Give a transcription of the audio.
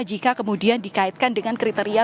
jika kemudian dikaitkan dengan kriteria